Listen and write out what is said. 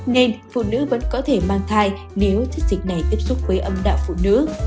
nên phụ nữ vẫn có thể mang thai nếu thiết dịch này tiếp xúc với âm đạo phụ nữ